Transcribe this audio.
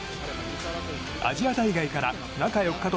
アジア大会から中４日と